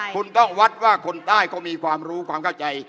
คุณต้องวัดว่าคนใต้เขามีความรู้ความเข้าใจ